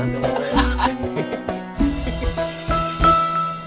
seneng banget dong